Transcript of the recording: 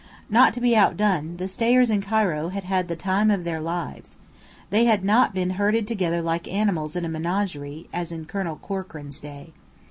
Not to be outdone, the stayers in Cairo had had the "time of their lives." They had not been herded together like animals in a menagerie, as in Colonel Corkran's day.